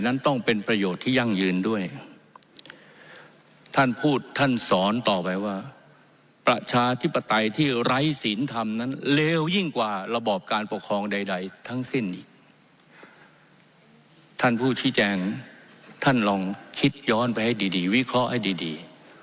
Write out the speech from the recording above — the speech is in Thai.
ท่านลองคิดย้อนไปให้ดีวิเคราะห์ให้ดี